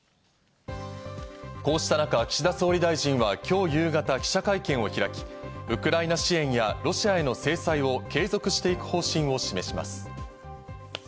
こうした中、岸田総理大臣は今日夕方、記者会見を開き、ウクライナ支援やロシアへの制裁を継続していく方針を示します。